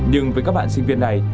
nhưng với các bạn sinh viên này